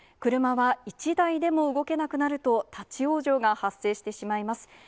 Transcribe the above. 車は１台でも動けなくなると立往生が発生してしまいます。